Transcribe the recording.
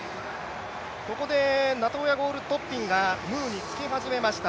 ここでナトーヤ・ゴウルトッピンがムーにつきはじめました。